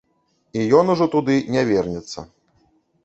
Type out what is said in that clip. І ён ужо туды не вернецца.